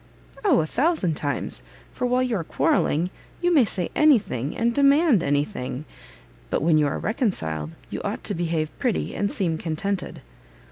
"O, a thousand times! for while you are quarrelling, you may say any thing, and demand any thing, but when you are reconciled, you ought to behave pretty, and seem contented."